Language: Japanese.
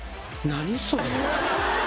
何それ。